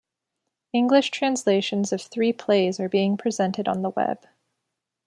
English translations of three plays are being presented on the Web.